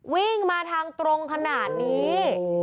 วิ่งมาทางตรงขนาดนี้